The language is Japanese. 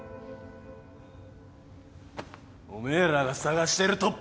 おめえらが捜してる特服はな！